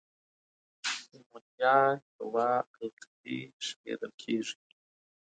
امونیا یوه القلي شمیرل کیږي.